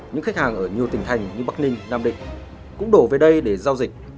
những khách hàng ở nhiều tỉnh thành như bắc ninh nam định cũng đổ về đây để giao dịch